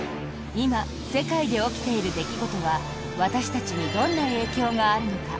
今、世界で起きている出来事は私たちにどんな影響があるのか？